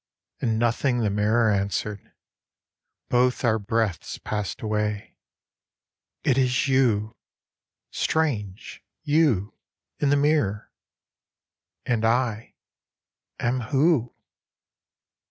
And nothing the mirror answered. Both our breaths passed away. "It is you strange you, in the mirror, and I am who